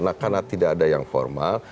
nah karena tidak ada yang formal